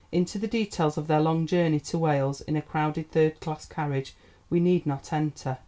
Into the details of their long journey to Wales (in a crowded third class carriage) we need not enter.